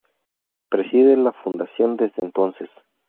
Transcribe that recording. Preside la fundación desde entonces.